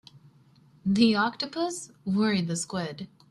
The octopus worried the squid.